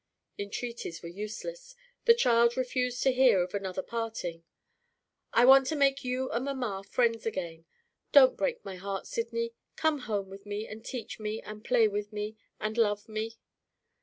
Entreaties were useless; the child refused to hear of another parting. "I want to make you and mamma friends again. Don't break my heart, Sydney! Come home with me, and teach me, and play with me, and love me!"